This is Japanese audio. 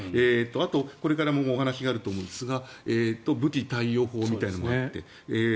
あと、これからもお話があると思うんですが武器貸与法みたいなのもあって。